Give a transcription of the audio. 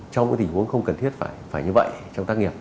trong tình huống không cần thiết phải như vậy trong tác nghiệp